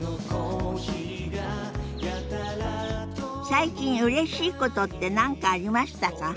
最近うれしいことって何かありましたか？